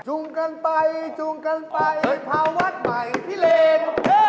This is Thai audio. จุงกันไปจุงกันไปพาวัดใหม่พี่เลน